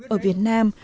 ở việt nam